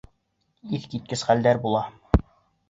Иҫ киткес хәлдәр була!